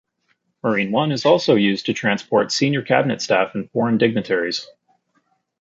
Marine One is also used to transport senior Cabinet staff and foreign dignitaries.